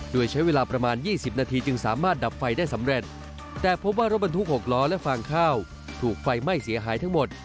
โดยใช้เวลาประมาณ๒๐นาทีจึงสามารถดับไฟได้สำเร็จแต่พบว่ารถบรรทุก๖ล้อและฟางข้าวถูกไฟไหม้เสียหายทั้งหมด